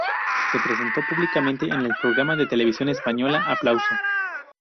Se presentó públicamente en el programa de Televisión española "Aplauso".